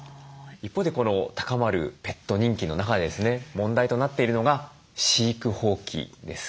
一方でこの高まるペット人気の中でですね問題となっているのが飼育放棄です。